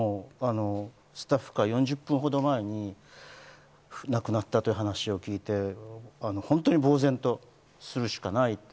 スタッフから４０分ほど前に亡くなったという話を聞いて、本当に呆然とするしかない。